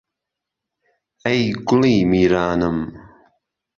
ئهی گوڵی میرانم